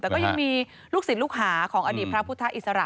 แต่ก็ยังมีลูกศิษย์ลูกหาของอดีตพระพุทธอิสระ